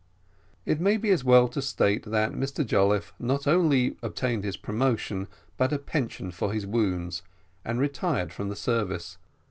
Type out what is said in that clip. It may be as well here to state that Mr Jolliffe not only obtained his promotion, but a pension for his wounds, and retired from the service.